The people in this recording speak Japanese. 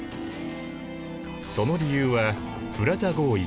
その理由はプラザ合意だ。